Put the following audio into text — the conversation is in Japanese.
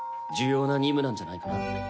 重要な任務なんじゃないかな。